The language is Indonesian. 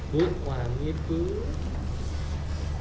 dut wangi itu